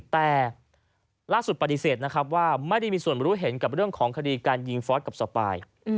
แต่ล่าสุดปฏิเสธนะครับว่าไม่ได้มีส่วนรู้เห็นกับเรื่องของคดีการยิงฟอสกับสปาย